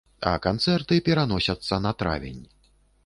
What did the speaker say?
А канцэрты пераносяцца на травень.